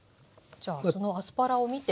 じゃあそのアスパラを見て。